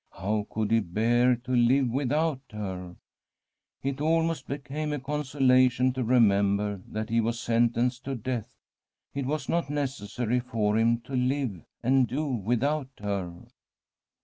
How could he bear to live without her ? It almost became a consolation to remem ber that he was sentenced to death. It was not necessary for him to live and do without her.